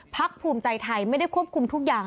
ภูมิใจไทยไม่ได้ควบคุมทุกอย่าง